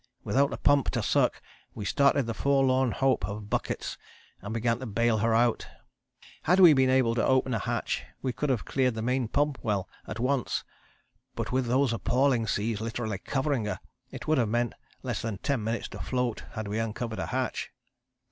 Without a pump to suck we started the forlorn hope of buckets and began to bale her out. Had we been able to open a hatch we could have cleared the main pump well at once, but with those appalling seas literally covering her, it would have meant less than 10 minutes to float, had we uncovered a hatch.